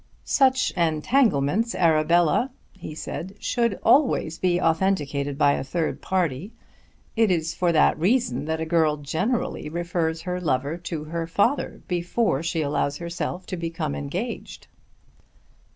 "Such engagements, Arabella," he said, "should always be authenticated by a third party. It is for that reason that a girl generally refers her lover to her father before she allows herself to be considered as engaged."